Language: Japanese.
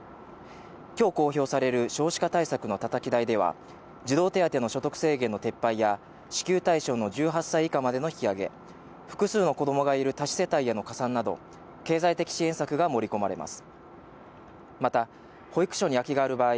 今日公表される少子化対策のたたき台では、児童手当の所得制限の撤廃や、支給対象の１８歳以下までの引き上げ、複数の子供がいる多子世帯への加算など、経済的支援策が盛り込まれます。